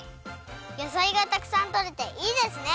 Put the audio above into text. やさいがたくさんとれていいですね！